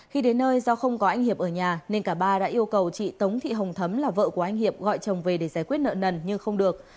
khi đến nơi do không có anh hiệp ở nhà nên cả ba đã yêu cầu chị tống thị hồng thấm là vợ của anh hiệp gọi chồng về để giải quyết nợ nần nhưng không được